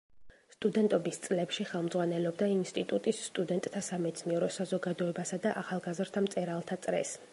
სტუდენტობის წლებში ხელმძღვანელობდა ინსტიტუტის სტუდენტთა სამეცნიერო საზოგადოებასა და ახალგაზრდა მწერალთა წრეს.